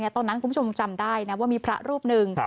ตอนนั้นคุณผู้ชมจำได้ว่ามีพระรูปหนึ่ง